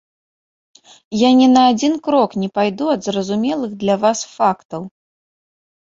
Я ні на адзін крок не пайду ад зразумелых для вас фактаў.